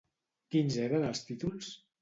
Quins eren els títols?